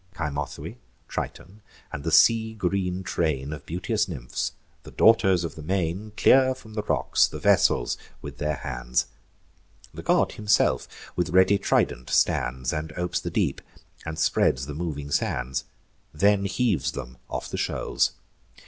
Cymothoe, Triton, and the sea green train Of beauteous nymphs, the daughters of the main, Clear from the rocks the vessels with their hands: The god himself with ready trident stands, And opes the deep, and spreads the moving sands; Then heaves them off the shoals.